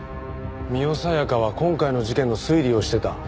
深世小夜香は今回の事件の推理をしてた。